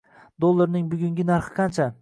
Dollarning bugungi narxi qancha?